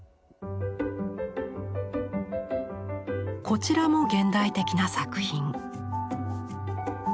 こちらも現代的な作品。